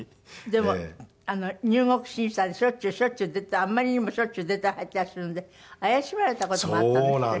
でも入国審査でしょっちゅうしょっちゅうあまりにもしょっちゅう出たり入ったりするんで怪しまれた事もあったんですって。